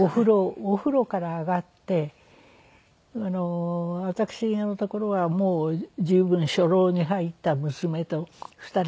お風呂から上がって私のところはもう十分初老に入った娘と２人家族ですけれど。